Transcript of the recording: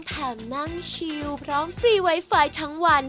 แถมนั่งชิวพร้อมฟรีไวไฟทั้งวัน